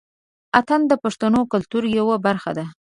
اتڼ د پښتنو کلتور يوه برخه دى.